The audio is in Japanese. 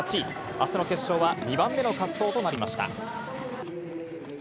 あすの決勝は２番目の滑走となりました。